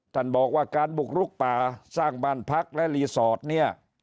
ท่านบอกว่าการบุกลุกป่าสร้างบ้านพักและรีสอร์ทเนี่ย